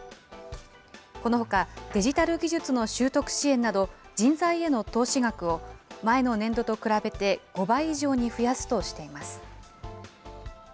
このほか、デジタル技術の習得支援など、人材への投資額を、前の年度と比べて５倍以上に増やすとしています。